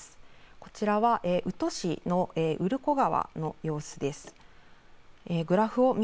こちらは宇土市の潤川の様子です。